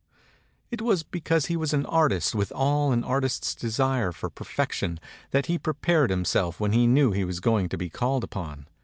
It was because he was an artist with all an artist's desire for perfection, that he prepared himself when he knew he was going to be called upon.